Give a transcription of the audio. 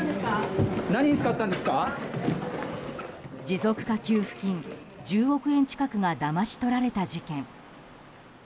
持続化給付金１０億円近くがだまし取られた事件。